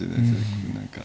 ここ何か。